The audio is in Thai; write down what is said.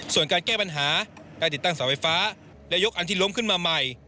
ส่วนการแก้ปัญหาการติดตั้งเสาไฟฟ้าและยกอันที่ล้มขึ้นมาใหม่